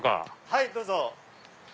はいどうぞ。